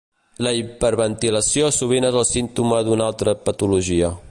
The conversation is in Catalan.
La hiperventilació sovint és el símptoma d'una altra patologia.